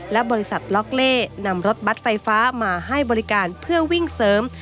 และบริษัทล็อกเล่นำรถบัตรไฟฟ้ามาให้บริการเพื่อวิ่งเสริม